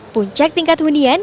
puncak tingkat hunian